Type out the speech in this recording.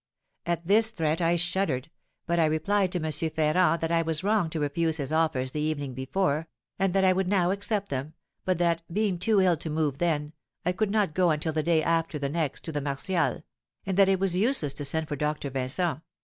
At this threat I shuddered; but I replied to M. Ferrand that I was wrong to refuse his offers the evening before, and that I would now accept them; but that, being too ill to move then, I could not go until the day after the next to the Martials, and that it was useless to send for Doctor Vincent.